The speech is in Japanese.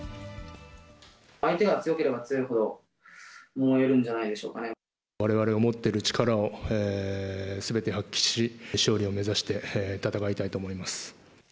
相手が強ければ強いほど、われわれが持っている力をすべて発揮し、勝利を目指して戦いたいと思います。